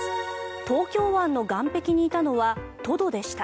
東京湾の岸壁にいたのはトドでした。